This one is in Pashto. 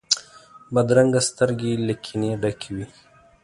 بدرنګه سترګې له کینې ډکې وي